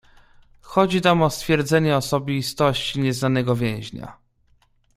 "Chodzi tam o stwierdzenie osobistości nieznanego więźnia."